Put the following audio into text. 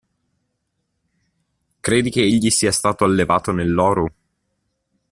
Credi che egli sia stato allevato nell'oro?